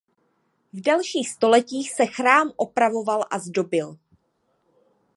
V dalších stoletích se chrám opravoval a zdobil.